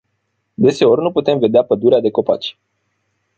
Deseori nu putem vedea pădurea de copaci.